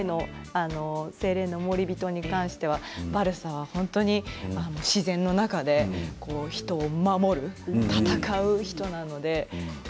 「精霊の守り人」に関してはバルサは本当に自然の中で人を守る戦う人なので。